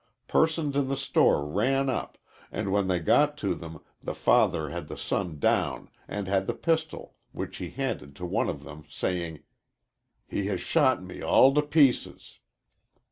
Persons in the store ran up, and when they got to them the father had the son down and had the pistol, which he handed to one of them, saying: 'He has shot me all to pieces.'